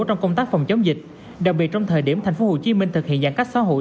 trong công tác phòng chống dịch đặc biệt trong thời điểm tp hcm thực hiện giãn cách xã hội